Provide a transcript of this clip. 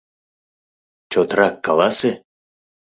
Чотрак каласе!